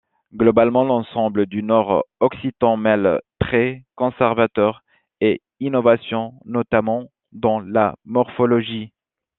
Globalement, l'ensemble du nord-occitan mêle traits conservateurs et innovations notamment dans la morphologie.